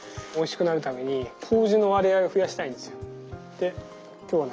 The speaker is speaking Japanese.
で今日はね